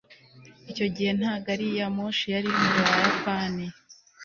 icyo gihe nta gari ya moshi yari mu buyapani